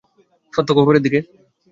সত্য খবরের দিকে?